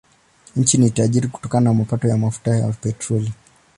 Nchi ni tajiri kutokana na mapato ya mafuta ya petroli.